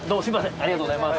ありがとうございます。